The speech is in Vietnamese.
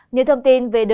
nhiều thông tin về đời sau